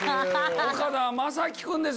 岡田将生君です